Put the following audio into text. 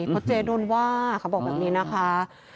เพราะเจ๊โดนว่าเขาบอกแบบนี้นะคะ